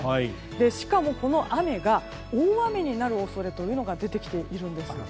しかも、この雨が大雨になる恐れが出てきているんです。